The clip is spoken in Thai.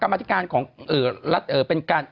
กรรมาธิการของเอ่อรัฐเอ่อเป็นการ